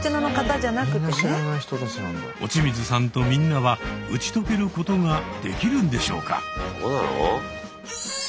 落水さんとみんなは打ち解けることができるんでしょうか。